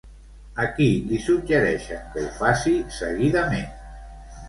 A qui li suggereixen que ho faci, seguidament?